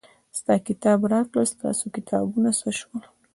ستا کتاب راکړه ستاسې کتابونه څه شول.